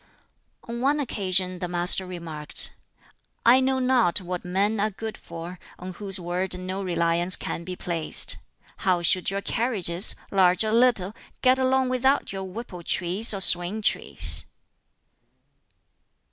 On one occasion the Master remarked, "I know not what men are good for, on whose word no reliance can be placed. How should your carriages, large or little, get along without your whipple trees or swing trees?"